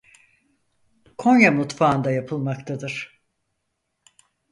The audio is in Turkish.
Konya mutfağında yapılmaktadır.